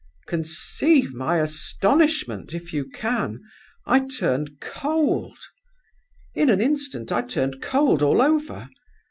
"Conceive my astonishment, if you can. I turned cold. In an instant I turned cold all over.